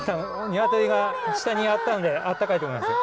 鶏が下にやったのであったかいと思いますよ。